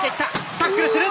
タックルする！